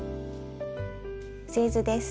製図です。